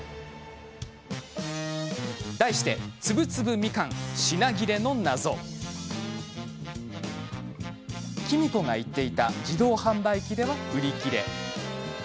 題して「つぶつぶみかん品切れのナゾ」喜美子が言っていた自動販売機では売り切れ。